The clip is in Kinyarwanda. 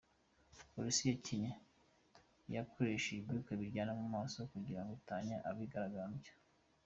Polisi ya Kenya yakoreshe ibyuka biryana mu maso kugira ngo itatanye abigaragambyaga.